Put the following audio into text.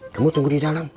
kamu tunggu di dalam